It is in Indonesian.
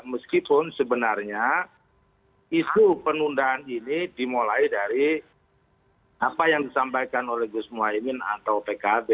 meskipun sebenarnya isu penundaan ini dimulai dari apa yang disampaikan oleh gus muhaymin atau pkb